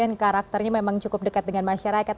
yang karakternya memang cukup dekat dengan masyarakat